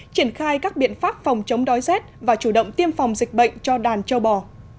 triển khai các biện pháp phòng chống đói rét và chủ động tiêm phòng dịch bệnh cho đàn châu bò